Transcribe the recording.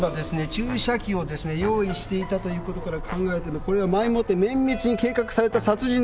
注射器をですね用意していたということから考えてもこれは前もって綿密に計画された殺人です。